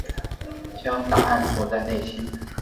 将答案锁在内心